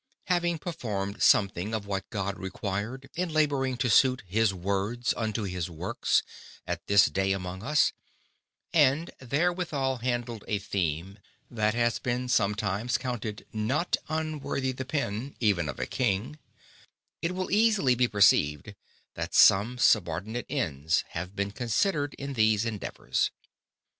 _ Having performed something of what God required, in labouring to suit his Words unto his Works, at this Day among us, and therewithal handled a Theme that has been sometimes counted not unworthy the Pen, even of a King, it will easily be perceived, that some subordinate Ends have been considered in these Endeavours.